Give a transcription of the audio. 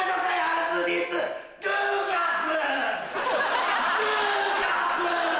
ルーカス！